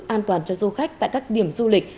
an toàn cho du khách tại các điểm du lịch